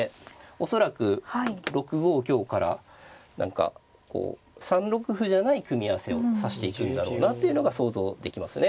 恐らく６五香から何かこう３六歩じゃない組み合わせを指していくんだろうなというのが想像できますね。